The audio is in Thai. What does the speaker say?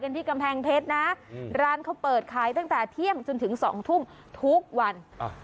ร้านเค้าเปิดขายตั้งแต่เที่ยงจนถึงสองทุ่งทุกวัน